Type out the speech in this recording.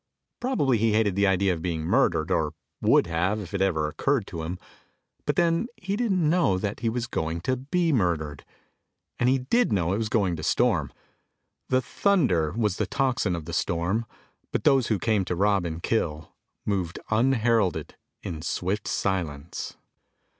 Probably he hated the idea of being murdered, or would have if it ever occurred to him. But then he didn't know that he was going to be murdered, and he did know it was going to storm. The thunder was the tocsin of the storm, but those who came to rob and kill moved unheralded in swift silence.